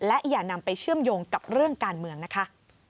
และอย่านำไปเชื่อมโยงกับเรื่องการเมืองนะคะ